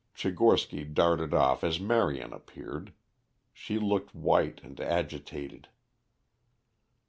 Tchigorsky darted off as Marion appeared. She looked white and agitated.